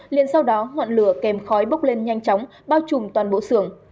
liền sau đó ngọn lửa kèm khói bốc lên nhanh chóng bao trùm toàn bộ sườn